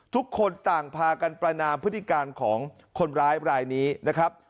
ทุกคนต่างพากันประนามพฤติการของคนร้ายรายนี้นะครับ